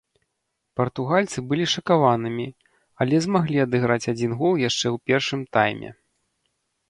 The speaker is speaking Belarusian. Партугальцы былі шакаванымі, але змаглі адыграць адзін гол яшчэ ў першым тайме.